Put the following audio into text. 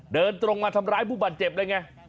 เดินตรงมาทำร้ายผู้บาดเจ็บเลยไง